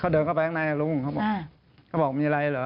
เขาเดินเข้าไปข้างในกับลุงเขาบอกมีอะไรเหรอ